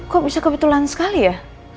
kok bisa kebetulan sekali ya